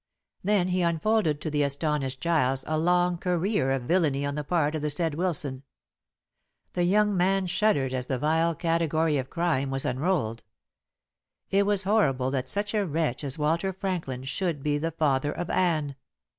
Then he unfolded to the astonished Giles a long career of villany on the part of the said Wilson. The young man shuddered as the vile category of crime was unrolled. It was horrible that such a wretch as Walter Franklin should be the father of Anne.